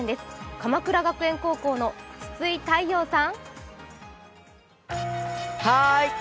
鎌倉学園高校の筒井太陽さん！